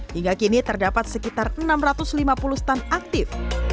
hingga kini terdapat sekitar enam ratus lima puluh stand aktif